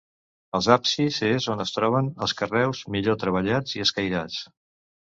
Als absis és on es troben els carreus millor treballats i escairats.